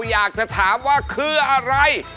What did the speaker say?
อยากจะถามว่าคืออะไร